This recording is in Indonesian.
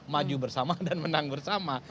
maju bersama dan menang bersama